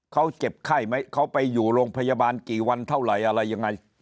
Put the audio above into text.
เขาเจ็บไข้ไหมเขาไปอยู่โรงพยาบาลกี่วันเท่าไหร่อะไรยังไง